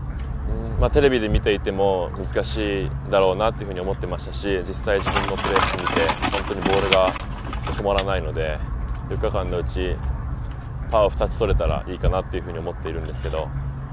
テレビで見ていても難しいだろうなと思っていましたし、実際自分もプレーしてみて、ボールが止まらないので、４日間のうちパーを２つ取れたらいいかなというふうに思っているんですけど。